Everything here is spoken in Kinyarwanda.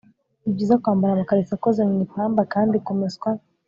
ni byiza kwambara amakariso akoze mu ipamba kandi kumeswa